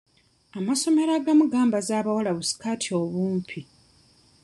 Amasomero agamu gayambaza abawala bu sikaati obumpi.